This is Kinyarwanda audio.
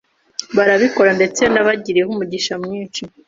barabikora ndetse nabagiriyeho umugisha mwinshi